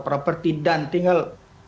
properti dan tinggal